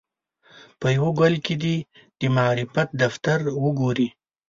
په یوه ګل کې دې د معرفت دفتر وګوري.